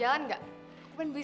ia tak charly nih